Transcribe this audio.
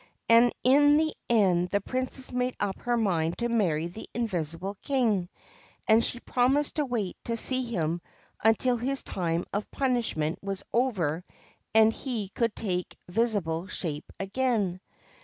And in the end the Princess made up her mind to marry the invisible King, and she promised to wait to see him until his time of punishment was over and he could take visible shape again.